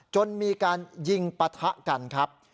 จนมีการยิงปะทะกันครับ